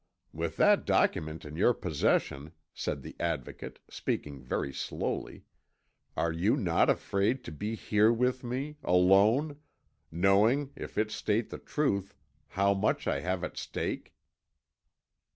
"With that document in your possession," said the Advocate, speaking very slowly, "are you not afraid to be here with me alone knowing, if it state the truth, how much I have at stake?"